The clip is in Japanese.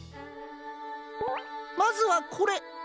まずはこれ。